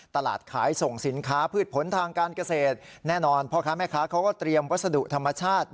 ตลาดขายส่งสินค้าพืชผลทางการเกษตรแน่นอนพ่อค้าแม่ค้าเขาก็เตรียมวัสดุธรรมชาติ